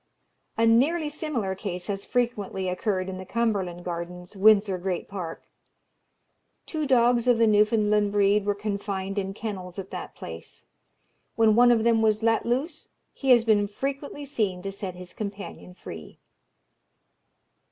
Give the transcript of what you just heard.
A nearly similar case has frequently occurred in the Cumberland Gardens, Windsor Great Park. Two dogs of the Newfoundland breed were confined in kennels at that place. When one of them was let loose, he has been frequently seen to set his companion free.